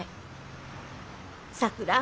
さくら。